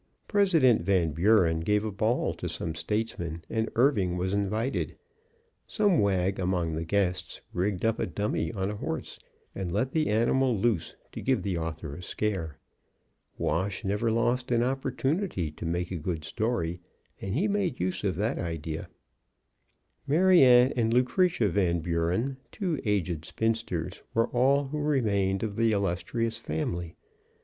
President Van Buren gave a ball to some statesmen, and Irving was invited. Some wag among the guests rigged up a dummy on a horse, and let the animal loose to give the author a scare. Wash never lost an opportunity to make a good story, and he made use of the idea. Mary Ann and Lucretia Van Buren, two aged spinsters, were all who remained of the illustrious family.